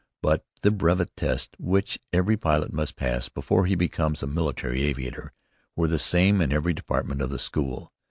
But the brevet tests, which every pilot must pass before he becomes a military aviator, were the same in every department of the school.